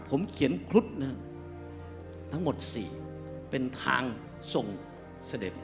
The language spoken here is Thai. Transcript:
ผมเขียนครุฑนะฮะทั้งหมด๔เป็นทางส่งเสด็จ